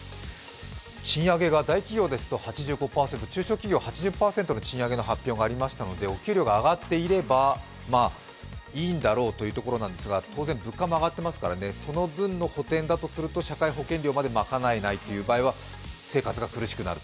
賃上げが大企業ですと８０％中小企業ですと７０％、お給料が上がっていればいいんだろうというところなんですが当然、物価も上がってますから、その分の補てんだとすると、社会保険料までまかなえないという場合は、生活が苦しくなる。